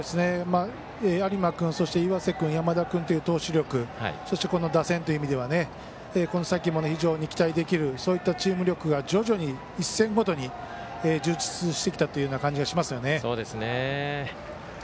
有馬君、そして、岩瀬君山田君という投手力そして、打線という意味ではこの先も非常に期待できるそういったチーム力が徐々に１戦ごとに充実してきたというような感じがしますよね。